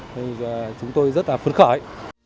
thì chúng tôi rất là phấn khởi